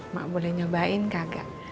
ma boleh nyobain kagak